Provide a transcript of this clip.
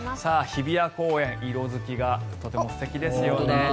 日比谷公園色付きがとても素敵ですよね。